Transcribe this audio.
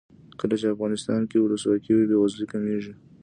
کله چې افغانستان کې ولسواکي وي بې وزلي کمیږي.